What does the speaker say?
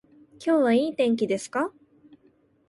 今日はいい天気ですか